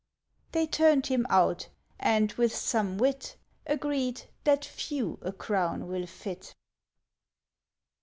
They turned him out, and, with some wit, Agreed that few a crown will fit.